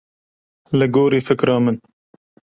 Li gorî fikra min.